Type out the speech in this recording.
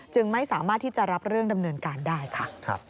ไม่สามารถที่จะรับเรื่องดำเนินการได้ค่ะ